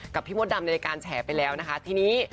พี่มดดำในรายการแฉไปแล้วนะคะทีนี้